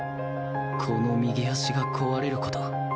この右足が壊れる事？